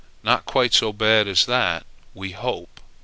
Not quite so bad as that, we hope.